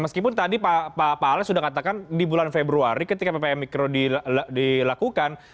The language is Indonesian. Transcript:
meskipun tadi pak alex sudah katakan di bulan februari ketika ppkm mikro dilakukan